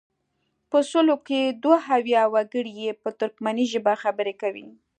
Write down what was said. په سلو کې دوه اویا وګړي یې په ترکمني ژبه خبرې کوي.